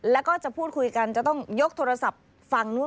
แล้วก็จะพูดคุยกันจะต้องยกโทรศัพท์ฟังด้วย